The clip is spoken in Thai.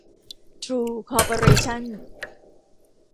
ทรู คอร์ปอเรชั่น